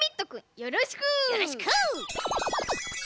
よろしく！